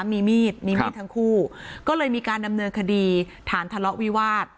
มีมีดมีมีดทั้งคู่ก็เลยมีการดำเนินคดีฐานทะเลาะวิวาส